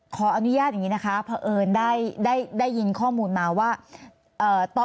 ขออนุญาตอย่างนี้นะคะเพราะเอิญได้ได้ยินข้อมูลมาว่า